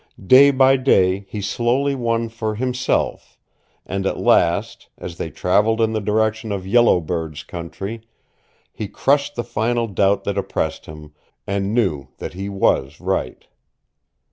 Day by day he slowly won for himself, and at last, as they traveled in the direction of Yellow Bird's country, he crushed the final doubt that oppressed him, and knew that he was right.